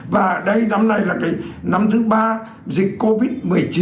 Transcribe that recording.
và đây năm nay là cái năm thứ ba dịch covid một mươi chín